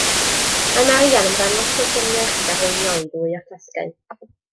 Mae Maria yn ymddangos mewn ffilmiau rhagarweiniol i ddwy o'r tasgau.